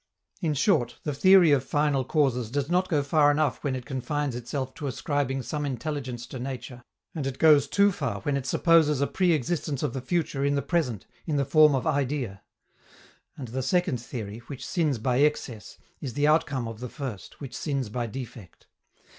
In short, the theory of final causes does not go far enough when it confines itself to ascribing some intelligence to nature, and it goes too far when it supposes a pre existence of the future in the present in the form of idea. And the second theory, which sins by excess, is the outcome of the first, which sins by defect.